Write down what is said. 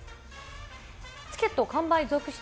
チケット完売続出！